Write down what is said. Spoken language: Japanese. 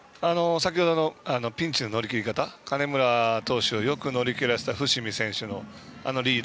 先ほどのピンチの乗り切り方金村投手をよく乗り切らせた伏見選手のあのリード。